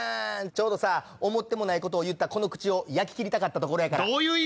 ちょうどさ思ってもないことを言ったこの口を焼き切りたかったところやから。